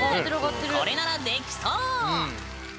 これならできそう。